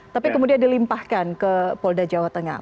tapi kemudian dilimpahkan ke polda jawa tengah